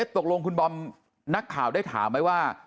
ตกลงคุณบอมนักข่าวได้ถามไหมว่า